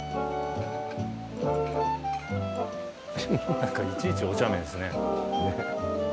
何かいちいちおちゃめですねねえ